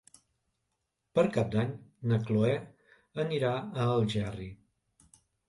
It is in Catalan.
Per Cap d'Any na Cloè anirà a Algerri.